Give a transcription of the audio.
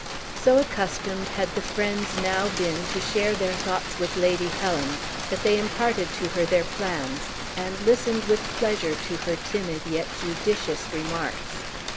So accustomed had the friends now been to share their thoughts with Lady Helen, that they imparted to her their plans, and listened with pleasure to her timid yet judicious remarks.